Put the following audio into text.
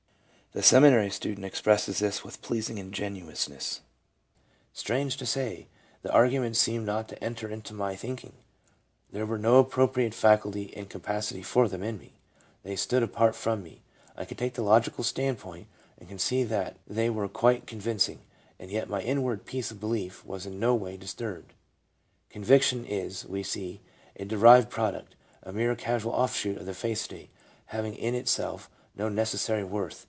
The seminary student expresses this with pleasing ingenuousness: "Strange to say, the arguments seemed not to enter into my thinking. There were no appropriate faculty and capacity for them in me. They stood apart from me. I could take the logical standpoint and could see that they were quite convinc ing, and yet my inward peace of belief was in no way disturbed." " Conviction " is, we see, a derived product, a mere casual off shoot of the faith state, having in itself no necessary worth.